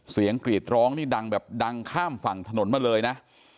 กรีดร้องนี่ดังแบบดังข้ามฝั่งถนนมาเลยนะ